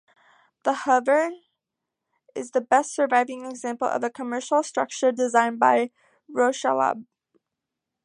The Hover is the best surviving example of a commercial structure designed by Roeschlaub.